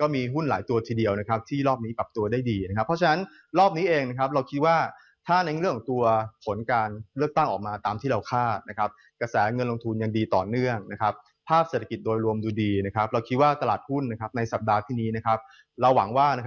ก็มีหุ้นหลายตัวทีเดียวนะครับที่รอบนี้ปรับตัวได้ดีนะครับ